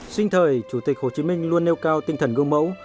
sinh thời chủ tịch hồ chí minh luôn nêu cao tinh thần gương mẫu